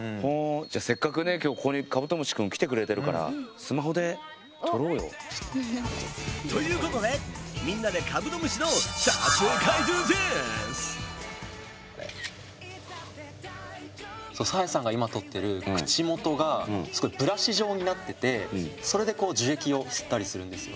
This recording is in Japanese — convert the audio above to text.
じゃあせっかくね今日ここにカブトムシくん来てくれてるからということでみんなでカブトムシのさあやさんが今撮ってる口元がブラシ状になっててそれでこう樹液を吸ったりするんですよ。